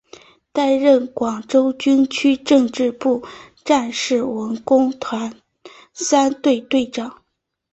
担任广州军区政治部战士文工团三队队长。